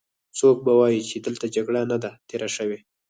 څوک به وايې چې دلته جګړه نه ده تېره شوې.